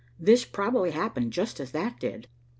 "This probably happened just as that did."